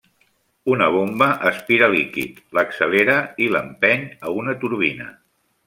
Una bomba aspira líquid, l'accelera i l'empeny a una turbina.